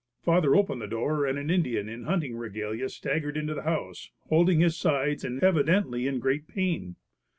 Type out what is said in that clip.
Father opened the door and an Indian in hunting regalia staggered into the house, holding his sides and evidently in great pain.